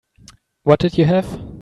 What did you have?